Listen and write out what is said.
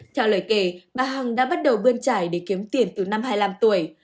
theo lời kể bà hằng đã bắt đầu bươn trải để kiếm tiền từ năm hai mươi năm tuổi